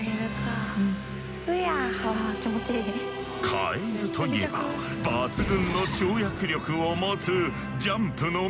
カエルといえば抜群の跳躍力を持つ